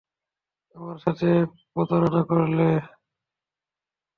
আমার সাথে প্রতারণা করলে?